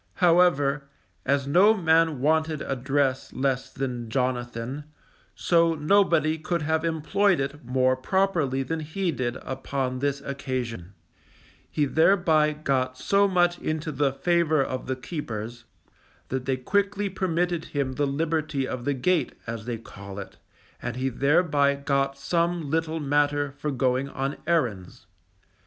However, as no man wanted address less than Jonathan, so nobody could have employed it more properly than he did upon this occasion; he thereby got so much into the favour of the keepers, that they quickly permitted him the liberty of the gate, as they call it, and he thereby got some little matter for going on errands.